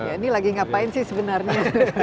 ini lagi ngapain sih sebenarnya